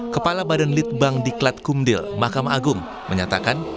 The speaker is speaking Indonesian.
kepala badan litbang diklat kumdil mahkamah agung menyatakan